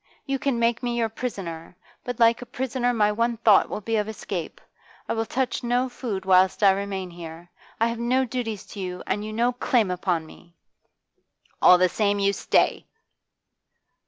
You can make me your prisoner, but like a prisoner my one thought will be of escape. I will touch no food whilst I remain here. I have no duties to you, and you no claim upon me!' 'All the same, you stay!